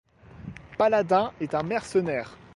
Paladin est un mercenaire.